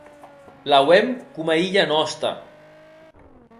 L’auem coma hilha nòsta.